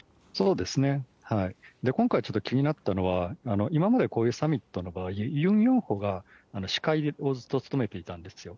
今回、ちょっと気になったのは、今までこういうサミットの場合、ユン・ヨンホが司会をずっと務めていたんですよ。